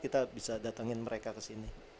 kita bisa datangin mereka ke sini